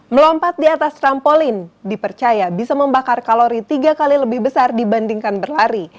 melompat di atas trampolin dipercaya bisa membakar kalori tiga kali lebih besar dibandingkan berlari